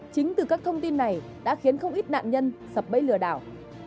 chính từ các thông tin này đã khiến không ít nạn nhân sập bẫy lừa đảo